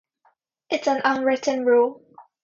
It's an unwritten rule.